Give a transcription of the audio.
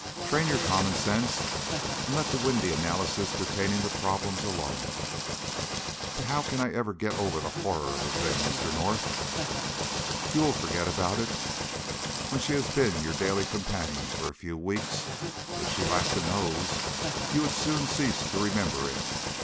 Train your common sense and let the windy analysis pertaining to problems alone." "But how can I ever get over the horror of the thing, Mr. North?" "You will forget all about it when she has been your daily companion for a few weeks. If she lacked a nose, you would as soon cease to remember it.